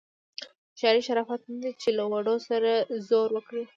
هوښیاري شرافت نه دی چې له وړو سره زور وکړي.